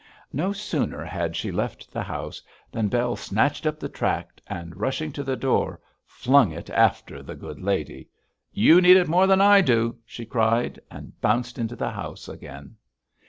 No sooner had she left the house than Bell snatched up the tract, and rushing to the door flung it after the good lady. 'You need it more than I do,' she cried, and bounced into the house again.